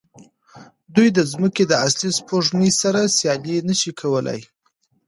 دوی د ځمکې د اصلي سپوږمۍ سره سیالي نه شي کولی.